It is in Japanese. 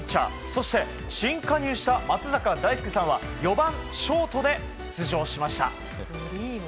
そして新加入した松坂大輔さんは４番、ショートで出場しました。